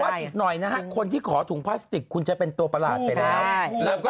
เพราะว่าถึงหน่อยนะครับคนที่ขอถุงพลาสติกคุณจะเป็นตัวประหลาดไปแล้ว